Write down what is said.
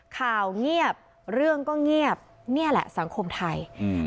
ข่าวเงียบเรื่องก็เงียบนี่แหละสังคมไทยอืม